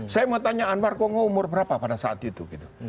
saya mau tanya anwar kok umur berapa pada saat itu gitu